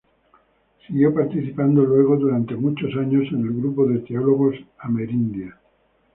Siguió participando luego durante muchos años en el grupo de teólogos Amerindia.